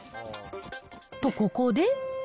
と、ここで。